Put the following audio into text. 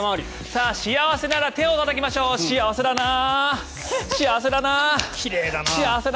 幸せなら手をたたきましょう幸せだなあ！